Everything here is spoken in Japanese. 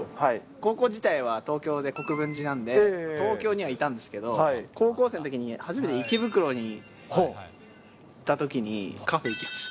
高校自体は東京で国分寺なんで、東京にはいたんですけど、高校生のときに初めて池袋に行ったときにカフェに行きました。